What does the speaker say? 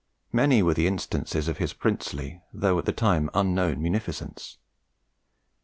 Many were the instances of his princely, though at the time unknown, munificence.